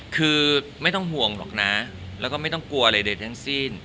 คือไม่ต้องห่วงหรอกนะแล้วก็ไม่ต้องกลัวอะไรใดทั้งสิ้น